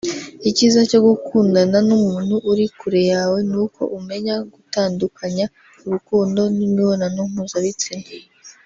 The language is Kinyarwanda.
Icyiza cyo gukundana n’umuntu uri kure yawe nuko umenya gutandukanya urukundo n’imibonano mpuzabitsina